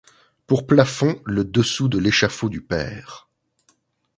Pour plafond le dessous de l’échafaud du père !